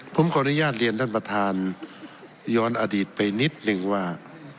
ผมขออนุญาตเรียนท่านประธานย้อนอดีตไปนิดนึงว่า